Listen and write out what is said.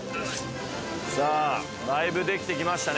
さぁだいぶできて来ましたね。